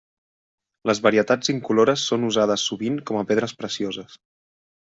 Les varietats incolores són usades sovint com a pedres precioses.